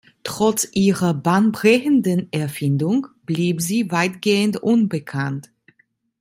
Trotz ihrer bahnbrechenden Erfindung blieb sie weitgehend unbekannt.